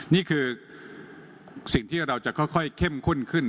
นี่คือสิ่งที่เราจะค่อยเข้มข้นขึ้น